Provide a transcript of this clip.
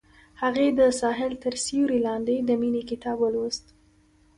هغې د ساحل تر سیوري لاندې د مینې کتاب ولوست.